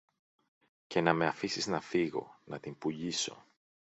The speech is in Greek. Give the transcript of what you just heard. και να με αφήσεις να φύγω, να την πουλήσω